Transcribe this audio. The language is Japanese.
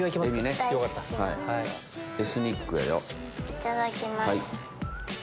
いただきます。